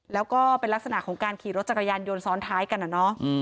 แล้วก็เป็นลักษณะของการขี่รถจักรยานยนต์ซ้อนท้ายกันอะเนาะ